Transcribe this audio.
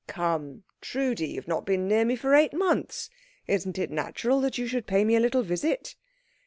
"Come, Trudi, you've not been near me for eight months. Isn't it natural that you should pay me a little visit?"